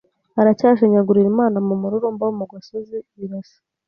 Aracyashinyagurira Imana mu mururumba wo mu gasozi birasa